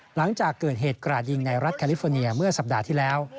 หลังจากเกิดเหตุกราดยิงในรัฐแคลิฟอร์เนียเมื่อสัปดาห์ที่แล้ว